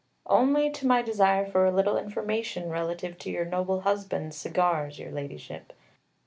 "Only to my desire for a little information relative to your noble husband's cigars, Your Ladyship.